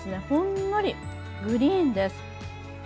ほんのりグリーンです。